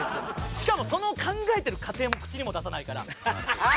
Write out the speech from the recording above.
しかもその考えてる過程も口にも出さないから。